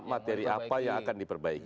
materi apa yang akan diperbaiki